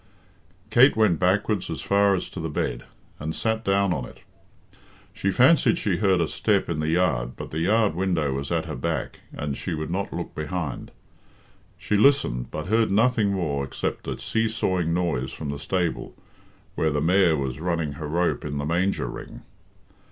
Kate went backwards as far as to the bed, and sat down on it She fancied she heard a step in the yard, but the yard window was at her back, and she would not look behind. She listened, but heard nothing more except a see sawing noise from the stable, where the mare was running her rope in the manger ring.